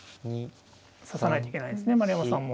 指さないといけないですね丸山さんも。